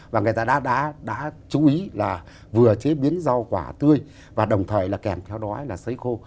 và người ta đã chú ý là vừa chế biến rau quả tươi và đồng thời là kèm theo đói là xấy khô